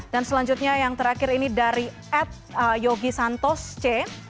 dan selanjutnya yang terakhir ini dari ed yogi santos c